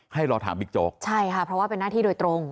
ให้รอถามบิ๊กโจ๊กใช่ค่ะเพราะว่าเป็นหน้าที่โดยตรง